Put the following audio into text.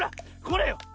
これよ。